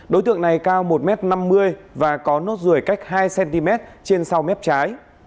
đối tượng này cao một m năm mươi và có nốt ruồi cách hai cm trên sau mép trái